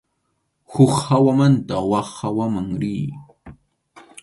Huk hawamanta wak hawaman riy.